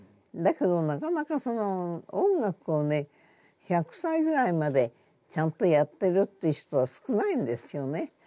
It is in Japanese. だけどなかなかその音楽をね１００歳ぐらいまでちゃんとやってるっていう人は少ないんですよね。